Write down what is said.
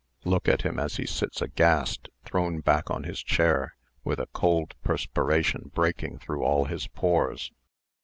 Look at him as he sits aghast, thrown back on his chair, with a cold perspiration breaking through all his pores.